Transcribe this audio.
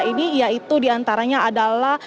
ini keren sekali